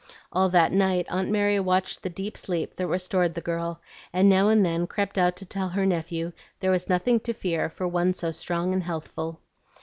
All that night Aunt Mary watched the deep sleep that restored the girl, and now and then crept out to tell her nephew there was nothing to fear for one so strong and healthful.